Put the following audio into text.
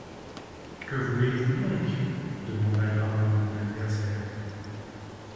Que voulez-vous donc ? demanda gravement mon adversaire.